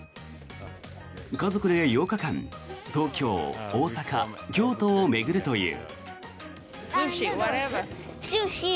家族で８日間東京、大阪、京都を巡るという。